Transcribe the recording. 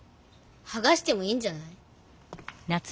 はがしてもいいんじゃない？